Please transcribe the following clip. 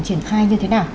triển khai như thế nào